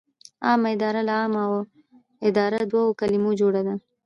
عامه اداره له عامه او اداره دوو کلمو جوړه ده.